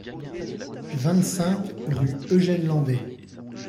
vingt-cinq rue Eugène Landais